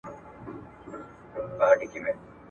اولادونه به ګمراهان وي